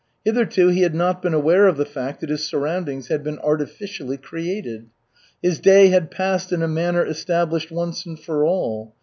Hitherto he had not been aware of the fact that his surroundings had been artificially created. His day had passed in a manner established once and for all.